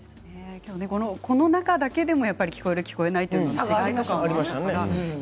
この中だけでも聞こえる、聞こえないというのがありますよね。